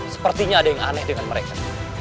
sepertinya ada yang aneh dengan mereka